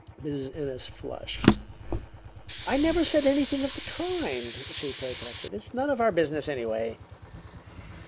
Mrs. Ennis flushed. "I never said anything of the kind!" she protested. "It's none of our business, anyway."